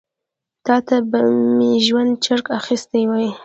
تا ته به مي ژوندی چرګ اخیستی وای .